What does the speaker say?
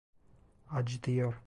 Acıtıyor!